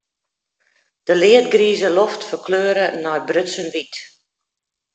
De leadgrize loft ferkleure nei brutsen wyt.